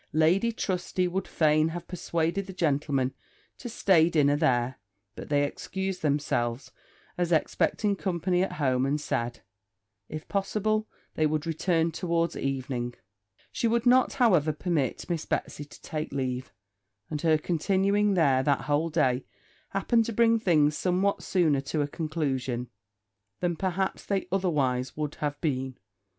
Lady Trusty would fain have persuaded the gentlemen to stay dinner there; but they excused themselves, as expecting company at home, and said, if possible they would return toward evening: she would not, however, permit Miss Betsy to take leave; and her continuing there that whole day happened to bring things somewhat sooner a conclusion, than perhaps they otherwise would have been.